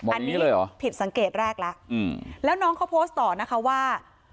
อันนี้เลยเหรอผิดสังเกตแรกแล้วแล้วน้องเขาโพสต์ต่อนะคะว่า